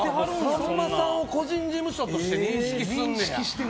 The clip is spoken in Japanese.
さんまさんを個人事務所として認識すんねや。